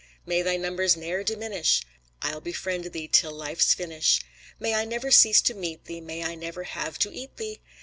May thy numbers ne'er diminish! I'll befriend thee till life's finish. May I never cease to meet thee! May I never have to eat thee!